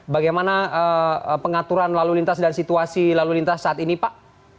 bagaimana pengaturan lalu lintas dan situasi lalu lintas saat ini pak